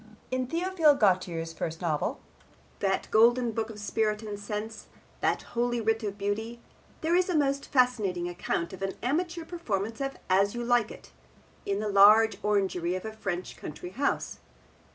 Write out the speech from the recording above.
In Theophile Gautier's first novel, that golden book of spirit and sense, that holy writ of beauty, there is a most fascinating account of an amateur performance of As You Like It in the large orangery of a French country house.